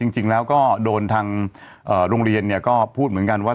จริงแล้วก็โดนทางโรงเรียนก็พูดเหมือนกันว่า